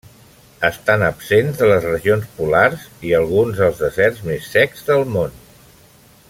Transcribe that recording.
Estan absents de les regions polars i alguns dels deserts més secs del món.